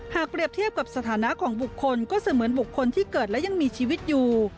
เปรียบเทียบกับสถานะของบุคคลก็เสมือนบุคคลที่เกิดและยังมีชีวิตอยู่